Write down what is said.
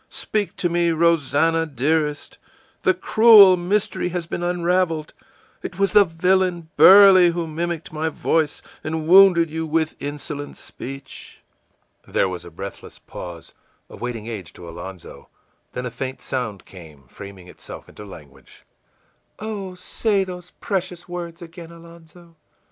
Speak to me, Rosannah, dearest! The cruel mystery has been unraveled; it was the villain Burley who mimicked my voice and wounded you with insolent speech!î There was a breathless pause, a waiting age to Alonzo; then a faint sound came, framing itself into language: ìOh, say those precious words again, Alonzo!